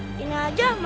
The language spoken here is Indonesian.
itu urusan j aktif pak